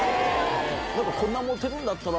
こんなモテるんだったら。